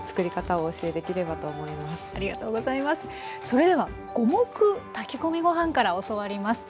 それでは五目炊き込みご飯から教わります。